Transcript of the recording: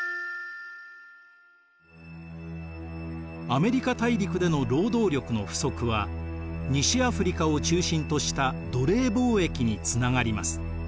アメリカ大陸での労働力の不足は西アフリカを中心とした奴隷貿易につながります。